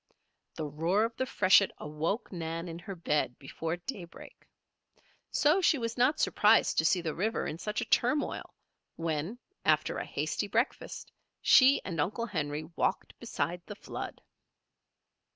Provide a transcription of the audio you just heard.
The roar of the freshet awoke Nan in her bed before daybreak. So she was not surprised to see the river in such a turmoil when, after a hasty breakfast, she and Uncle Henry walked beside the flood.